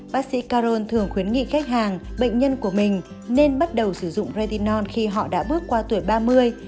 bác sĩ caron thường khuyến nghị khách hàng bệnh nhân của mình nên bắt đầu sử dụng redinon khi họ đã bước qua tuổi ba mươi